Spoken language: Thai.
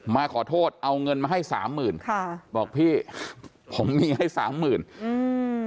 มาขอโทษเอาเงินมาให้สามหมื่นค่ะบอกพี่ผมมีให้สามหมื่นอืม